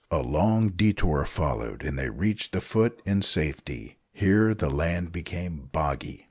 A long detour followed, and they reached the foot in safety. Here the land became boggy.